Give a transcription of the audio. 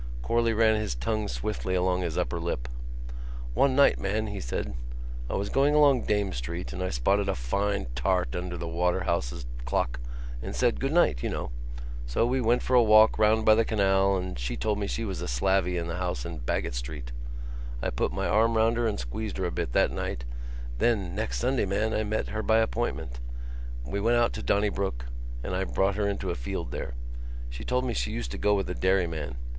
Corley ran his tongue swiftly along his upper lip. "One night, man," he said, "I was going along Dame Street and I spotted a fine tart under Waterhouse's clock and said good night, you know. So we went for a walk round by the canal and she told me she was a slavey in a house in Baggot Street. I put my arm round her and squeezed her a bit that night. Then next Sunday, man, I met her by appointment. We went out to Donnybrook and I brought her into a field there. She told me she used to go with a dairyman....